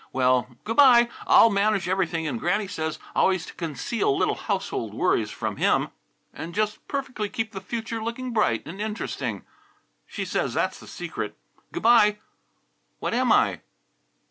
Well, good bye! I'll manage everything, and Granny says always to conceal little household worries from him, and just perfectly keep the future looking bright and interesting ... she says that's the secret. Good bye! What am I?"